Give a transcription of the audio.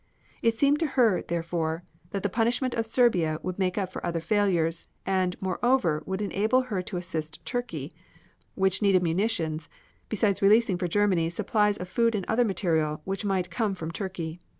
It seemed to her, therefore, that the punishment of Serbia would make up for other failures, and moreover would enable her to assist Turkey, which needed munitions, besides releasing for Germany supplies of food and other material which might come from Turkey.